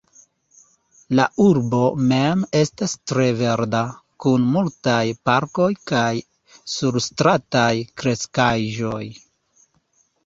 La urbo mem estas tre verda, kun multaj parkoj kaj surstrataj kreskaĵoj.